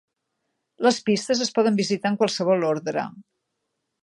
Les pistes es poden visitar en qualsevol ordre.